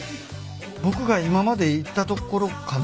僕が今まで行った所かな？